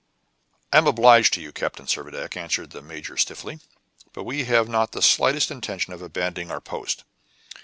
"I am obliged to you, Captain Servadac," answered the major stiffly; "but we have not the slightest intention of abandoning our post.